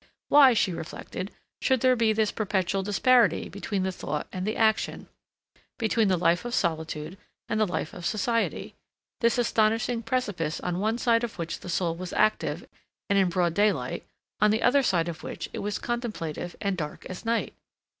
Why, she reflected, should there be this perpetual disparity between the thought and the action, between the life of solitude and the life of society, this astonishing precipice on one side of which the soul was active and in broad daylight, on the other side of which it was contemplative and dark as night?